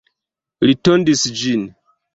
Li tondis ĝin.